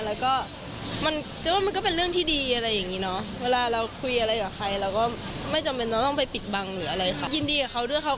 แล้วก็มันก็เป็นเรื่องที่ดีอะไรอย่างนี้เนาะ